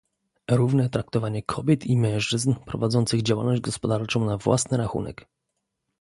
Równe traktowanie kobiet i mężczyzn prowadzących działalność gospodarczą na własny rachunek